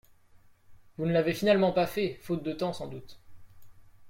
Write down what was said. Vous ne l’avez finalement pas fait – faute de temps, sans doute.